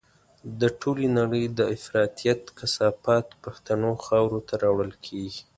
د ټولې نړۍ د افراطيت کثافات پښتنو خاورو ته راوړل کېږي.